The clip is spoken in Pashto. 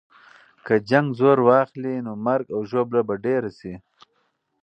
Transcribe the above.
که جنګ زور واخلي، نو مرګ او ژوبله به ډېره سي.